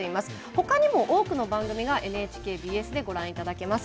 他にも、多くの番組がＮＨＫＢＳでご覧いただけます。